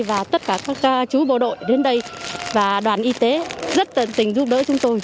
và tất cả các chú bộ đội đến đây và đoàn y tế rất tận tình giúp đỡ chúng tôi